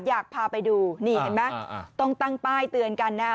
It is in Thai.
อยากพาไปดูนี่เห็นไหมต้องตั้งป้ายเตือนกันนะ